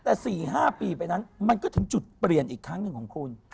แต่๔๕ปีไปนั้นมันก็ถึงจุดเปลี่ยนอีกครั้งหนึ่งของคุณ